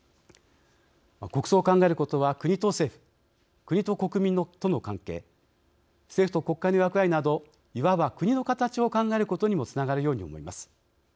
国葬を考えることは国と政府、国と国民との関係政府と国会の役割などいわば国の形を考えることにもつながるように思います。